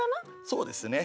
そうですね。